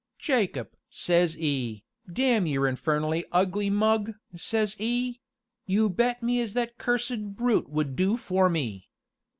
'Jacob!' says 'e, 'damn your infernally ugly mug!' says 'e; 'you bet me as that cursed brute would do for me.'